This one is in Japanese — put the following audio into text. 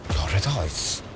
あいつ